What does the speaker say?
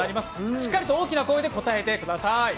しっかりと大きな声で答えてください。